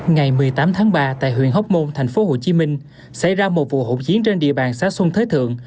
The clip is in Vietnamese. ngày một mươi tám tháng ba tại huyện hóc môn tp hcm xảy ra một vụ hỗn chiến trên địa bàn xã xuân thới thượng